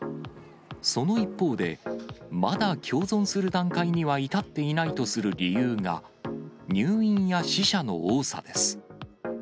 その一方で、まだ共存する段階には至っていないとする理由が、入院や死者の多さです。